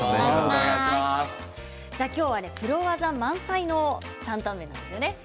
今日はプロ技満載の担々麺なんですよね。